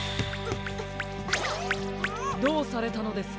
どうされたのですか？